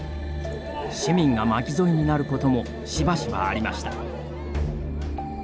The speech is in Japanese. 市民が巻き添えになることもしばしばありました。